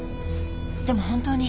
でも本当に。